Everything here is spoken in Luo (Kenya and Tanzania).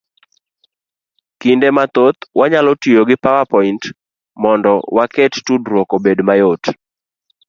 Kinde mathoth wanyalo tiyo gi power point, mondo waket tudruok obed mayot.